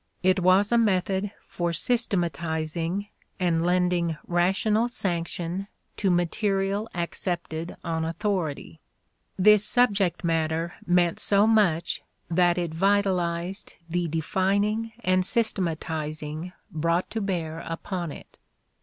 It was a method for systematizing and lending rational sanction to material accepted on authority. This subject matter meant so much that it vitalized the defining and systematizing brought to bear upon it.